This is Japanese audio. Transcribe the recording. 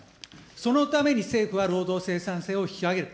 そのために政府は、労働生産性を引き上げる。